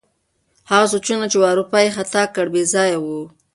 هغه سوچونه چې واروپار یې ختا کړ، بې ځایه وو.